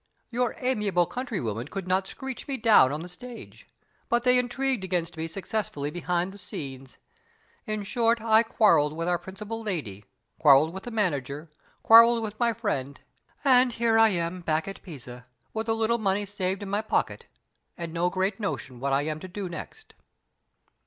Your amiable countrywomen could not screech me down on the stage, but they intrigued against me successfully behind the scenes. In short, I quarreled with our principal lady, quarreled with the manager, quarreled with my friend; and here I am back at Pisa, with a little money saved in my pocket, and no great notion what I am to do next."